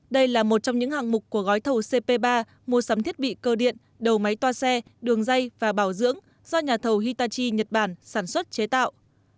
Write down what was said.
đây là một trong những hạng mục của gói thầu cp ba mua sắm thiết bị cơ điện đầu máy toa xe đường dây và bảo dưỡng do nhà thầu hitachi nhật bản sản xuất chế tạo